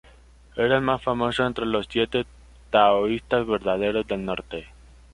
Era el más famoso entre los Siete Taoístas Verdaderos del Norte.